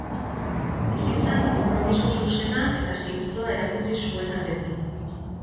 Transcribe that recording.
Bizitzan konpromiso zuzena eta zintzoa erakutsi zuena beti.